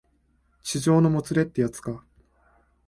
痴情のもつれってやつか